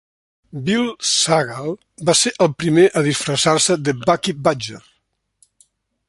Bill Sagal va ser el primer a disfressar-se de Bucky Badger.